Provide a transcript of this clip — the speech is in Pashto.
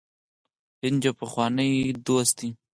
هند یو پخوانی دوست دی.